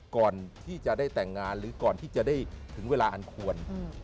ก่อนที่จะได้แต่งงานหรือก่อนที่จะได้ถึงเวลาอันควร